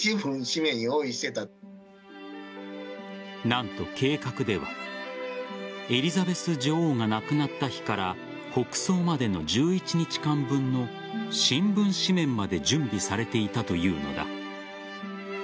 何と計画ではエリザベス女王が亡くなった日から国葬までの１１日間分の新聞紙面まで準備されていたというのだ。